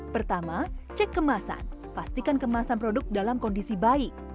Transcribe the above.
pertama cek kemasan pastikan kemasan produk dalam kondisi baik